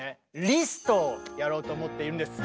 リストをやろうと思っているんです。